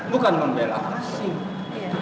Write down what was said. bukan membela asing